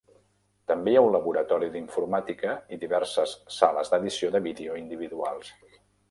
També hi ha un laboratori d'informàtica i diverses sales d'edició de vídeo individuals.